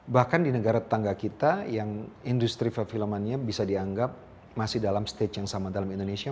bahkan di negara tetangga kita yang industri perfilmannya bisa dianggap masih dalam stage yang sama dalam indonesia